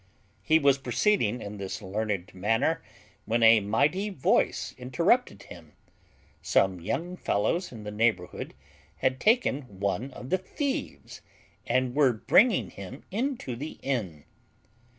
He was proceeding in this learned manner, when a mighty noise interrupted him. Some young fellows in the neighbourhood had taken one of the thieves, and were bringing him into the inn.